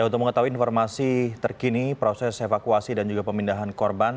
untuk mengetahui informasi terkini proses evakuasi dan juga pemindahan korban